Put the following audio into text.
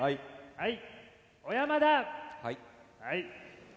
はい。